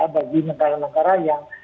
bagi negara negara yang